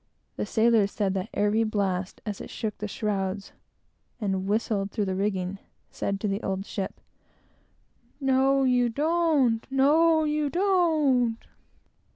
The sailors said that every blast, as it shook the shrouds, and whistled through the rigging, said to the old ship, "No, you don't!" "No, you don't!"